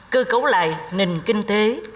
cư cấu lại nền kinh tế